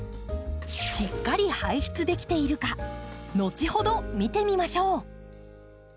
しっかり排出できているか後ほど見てみましょう！